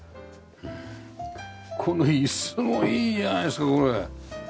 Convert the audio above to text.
この椅子もいいじゃないですかこれ。